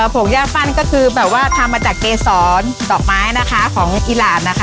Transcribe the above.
ภงย่าฟันก็คือแบบว่าทำมาจากเกฟ็ญสร้อนดอกไม้นะคะของอิหร่านนะคะ